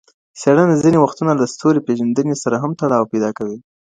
څېړنه ځیني وختونه له ستوري پېژندني سره هم تړاو پیدا کوي.